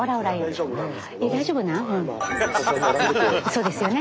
そうですよね。